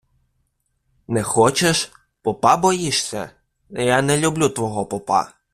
Не хочеш? Попа боїшся? Я не люблю твого попа.